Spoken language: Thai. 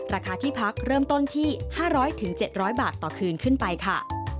ราคาที่พักเริ่มต้นที่๕๐๐๗๐๐บาทต่อคืนขึ้นไปค่ะ